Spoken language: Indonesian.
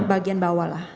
pokoknya bagian bawah lah